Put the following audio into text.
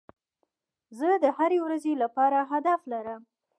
زه د هري ورځي لپاره هدف لرم.